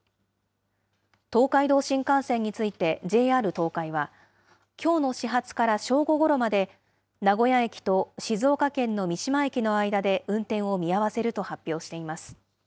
東海道新幹線について、ＪＲ東海は、きょうの始発から正午ごろまで、名古屋駅と静岡県の三島駅の間で運転を見合わせると発表しています。